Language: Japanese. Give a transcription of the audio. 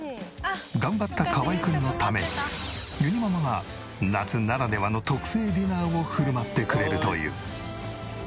頑張った河合くんのためにゆにママが夏ならではの特製ディナーを振る舞ってくれるという。